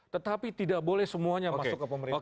tetapi tidak boleh semuanya masuk ke pemerintah